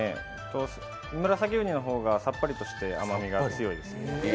ムラサキウニのほうがさっぱりとして甘みが強い。